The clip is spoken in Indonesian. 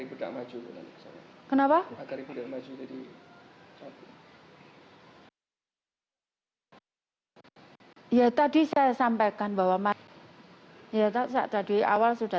ibu gak maju kenapa agar ibu gak maju jadi ya tadi saya sampaikan bahwa ya tak jadi awal sudah